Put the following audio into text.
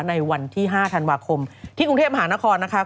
ในวันที่๕ธันวาคมที่กรุงเทพมหานครนะคะ